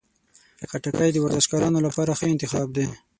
خټکی د ورزشکارانو لپاره ښه انتخاب دی.